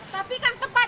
tapi kan tepatnya